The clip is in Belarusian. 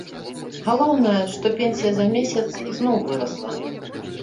Галоўнае, што пенсія за месяц зноў вырасла.